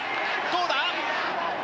どうだ？